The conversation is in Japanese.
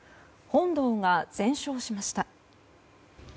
本堂が全焼しました。